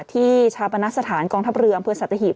ที่ชาปณะสถานกองทัพเรืออำเภอสัตว์ตะหีบ